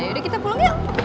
yaudah kita pulang ya